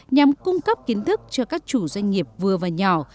nhằm cung cấp kiến thức cho các chủ doanh nghiệp vừa và nhỏ